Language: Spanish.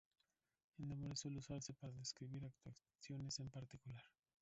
El nombre suele usarse para describir actuaciones en particular.